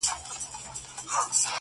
ماهېره که,